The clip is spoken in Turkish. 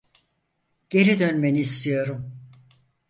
Geri dönmeni istiyorum.